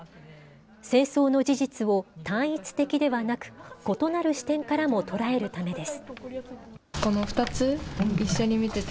戦争の事実を単一的ではなく、異なる視点からも捉えるためです。